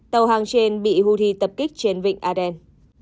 tàu hàng trên bị hu thi tập kích trên vịnh aden